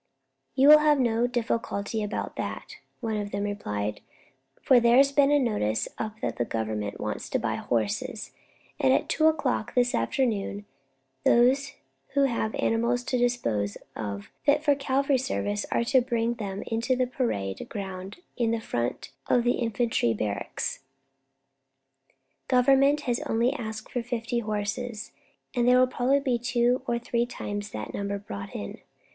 "You will have no difficulty about that," one of them replied, "for there's been a notice up that Government wants to buy horses, and at two o'clock this afternoon, those who have animals to dispose of fit for cavalry service are to bring them into the parade ground in front of the infantry barracks. Government has only asked for fifty horses, and there will probably be two or three times that number brought in.